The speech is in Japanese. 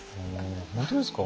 本当ですか？